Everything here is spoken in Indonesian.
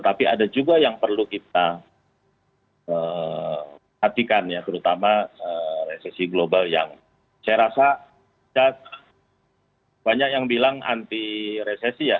tapi ada juga yang perlu kita perhatikan ya terutama resesi global yang saya rasa banyak yang bilang anti resesi ya